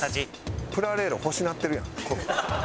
プラレール欲しなってるやん。